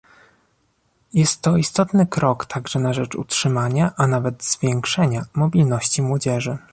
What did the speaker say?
Jest to istotny krok także na rzecz utrzymania, a nawet zwiększenia, mobilności młodzieży